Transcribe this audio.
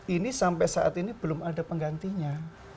ini sampai saat ini belum ada penggantinya